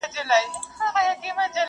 د دې قوم نصیب یې کښلی پر مجمر دی.!